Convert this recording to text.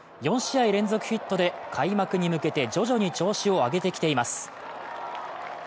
４試合連続ヒットで開幕に向けて徐々に調子を上げてきています。